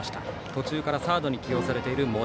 途中からサードに起用されている森。